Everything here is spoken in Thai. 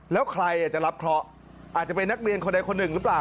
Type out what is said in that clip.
แล้วใครจะรับเคราะห์อาจจะเป็นนักเรียนคนใดคนหนึ่งหรือเปล่า